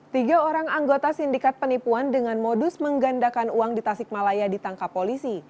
tiga orang anggota sindikat penipuan dengan modus menggandakan uang di tasikmalaya ditangkap polisi